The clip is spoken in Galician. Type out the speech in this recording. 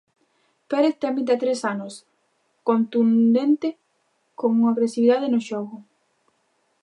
Pérez ten vinte e tres anos, contundente, con agresividade no xogo.